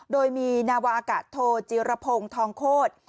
โดยมีนาวาอากาศโทจิรพงศ์ทองโคตร